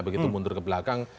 begitu mundur ke belakang